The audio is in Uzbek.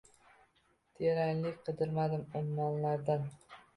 Teranlikni qidirmadim ummonlardan